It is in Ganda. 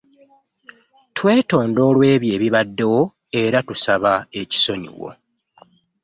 Twetonda olw’ebyo ebibaddewo, era tubasaba ekisonyiwo.